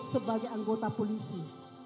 sebagai anggota polisi